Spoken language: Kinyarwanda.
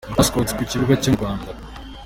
Mascots ku kibuga cyo mu Rwanda.